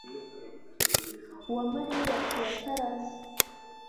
uwamariya yapfuye ataraze